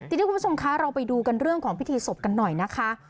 ทีนี้คุณผู้ชมคะเราไปดูกันเรื่องของพิธีศพกันหน่อยนะคะ